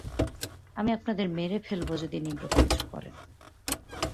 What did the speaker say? আমি আপনাদের মেরে ফেলব যদি নিগ্রোকে কিছু করেন।